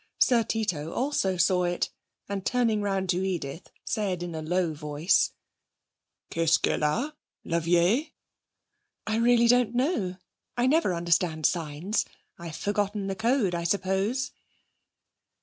Sir Tito also saw it, and, turning round to Edith, said in a low voice: 'Qu'est ce qu'elle a, la vieille?' 'I really don't know. I never understand signs. I've forgotten the code, I suppose!'